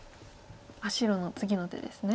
白の次の手ですね。